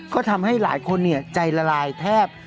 ก็ทำให้หลายคนใจละลายแทบ